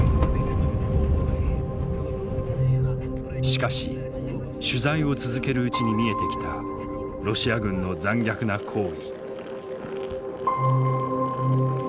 しかし取材を続けるうちに見えてきたロシア軍の残虐な行為。